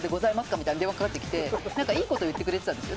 みたいな電話がかかってきていいこと言ってきたんですよ。